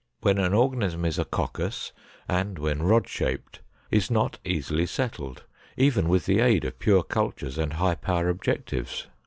When an organism is a coccus and when rod shaped is not easily settled, even with the aid of pure cultures and high power objectives.